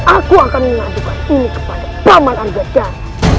aku akan mengadukan ini kepada paman anggajar